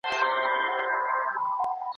اوس به څنګه دا بلا کړو د درملو تر زور لاندي